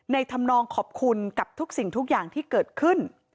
ทำนองขอบคุณกับทุกสิ่งทุกอย่างที่เกิดขึ้น